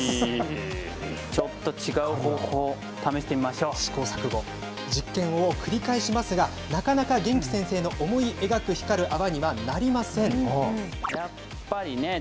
ちょっと違う方法を試してみまし試行錯誤、実験を繰り返しますが、なかなか元気先生の思い描く光る泡にはなりません。